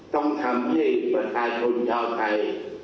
ต้องทำให้ประชาชนชาวไทย